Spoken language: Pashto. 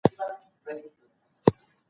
هغوی به هڅه کوي.